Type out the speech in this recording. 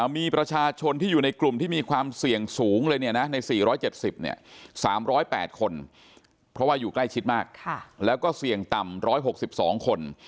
มีประชาชนที่อยู่ในกลุ่มที่มีความเสี่ยงสูงเลยใน๔๗๐๓๐๘คนเพราะว่าอยู่ใกล้ชิดมากแล้วก็เสี่ยงต่ำ๑๖๒คน